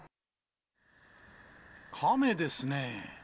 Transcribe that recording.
カメですね。